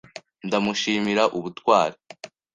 Ndamushimira ubutwari.